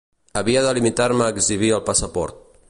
Havia de limitar-me a exhibir el passaport